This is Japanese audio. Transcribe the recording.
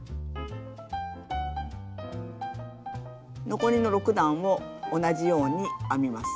残りの６段を同じように編みます。